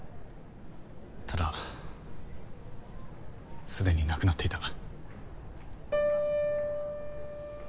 ただすでに亡くなっていた。